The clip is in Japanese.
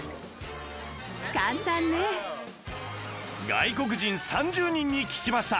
外国人３０人に聞きました